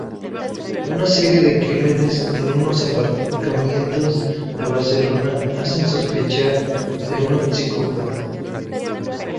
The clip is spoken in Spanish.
Una serie de crímenes en unos aparcamientos de Barcelona hacen sospechar de un psicópata.